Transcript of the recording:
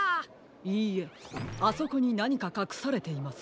いいえあそこになにかかくされています。